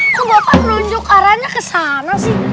kok bapak menonjok arahnya ke sana sih